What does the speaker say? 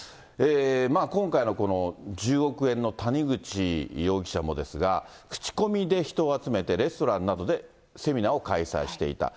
今回のこの１０億円の谷口容疑者もですが、口コミで人を集めて、レストランなどでセミナーを開催していた。